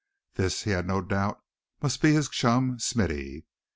This he had no doubt must be his chum, Smithy.